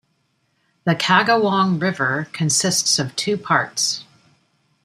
The Kagawong River consists of two parts.